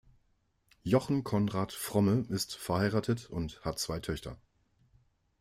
Jochen-Konrad Fromme ist verheiratet und hat zwei Töchter.